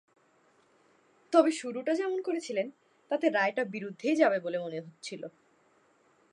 তবে শুরুটা যেমন করেছিলেন, তাতে রায়টা বিরুদ্ধেই যাবে বলে মনে হচ্ছিল।